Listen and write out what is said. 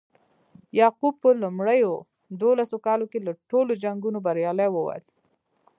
یعقوب په لومړیو دولسو کالو کې له ټولو جنګونو بریالی ووت.